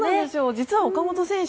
実は岡本選手